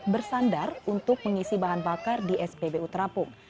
bersandar untuk mengisi bahan bakar di spbu terapung